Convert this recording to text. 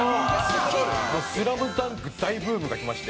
『ＳＬＡＭＤＵＮＫ』大ブームがきまして。